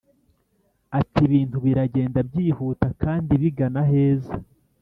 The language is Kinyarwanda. ati: ibintu biragenda byihuta kandi bigana aheza.